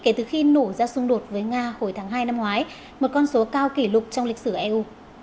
kể từ khi nổ ra xung đột với nga hồi tháng hai năm ngoái một con số cao kỷ lục trong lịch sử eu